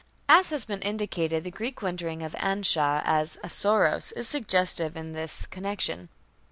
As has been indicated, the Greek rendering of Anshar as "Assoros", is suggestive in this connection.